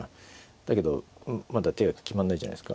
だけどまだ手が決まんないじゃないですか。